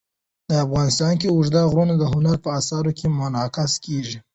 افغانستان کې اوږده غرونه د هنر په اثار کې منعکس کېږي.